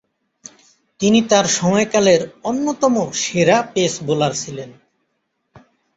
তিনি তার সময়কালের অন্যতম সেরা পেস বোলার ছিলেন।